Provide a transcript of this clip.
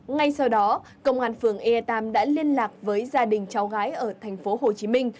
ngay sau đó công an phường ee tam đã liên lạc với gia đình cháu gái ở thành phố hồ chí minh